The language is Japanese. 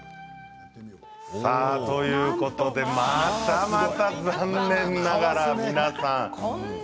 さあということでまたまた残念ながら皆さん。